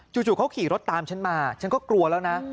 จู่เขาขี่รถตามฉันมาฉันก็กลัวแล้วนะ